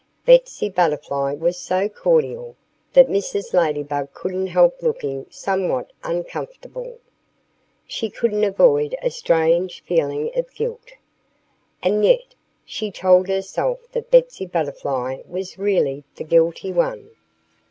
Betsy Butterfly was so cordial that Mrs. Ladybug couldn't help looking somewhat uncomfortable. She couldn't avoid a strange feeling of guilt. And yet she told herself that Betsy Butterfly was really the guilty one.